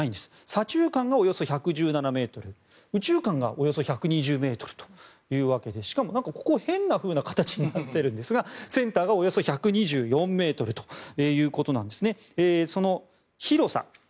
左中間がおよそ１１７ｍ右中間がおよそ１２０ｍというわけでしかもここ変な形になっているんですがセンターがおよそ１２４ｍということなんですね。